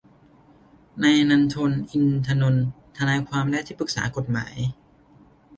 นายนันทน อินทนนท์ ทนายความและที่ปรึกษากฏหมาย